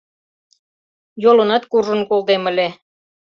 Йолынат куржын колтем ыле...